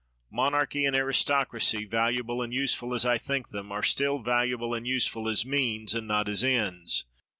Monarchy and aristocracy, valuable and useful as I think them, are still valuable and useful as means and not as ends.